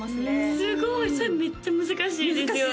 すごいそれめっちゃ難しいですよね